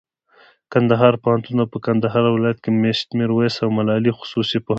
کندهار پوهنتون او په کندهار ولایت کښي مېشت میرویس او ملالي خصوصي پوهنتون